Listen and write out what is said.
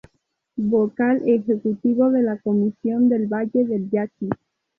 Vocal Ejecutivo de la Comisión del Valle del Yaqui.